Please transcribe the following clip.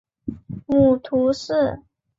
母屠氏。